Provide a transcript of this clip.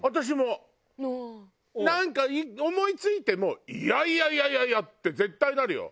なんか思い付いてもいやいやいやいや！って絶対なるよ。